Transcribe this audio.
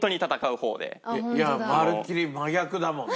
いやあまるっきり真逆だもんね。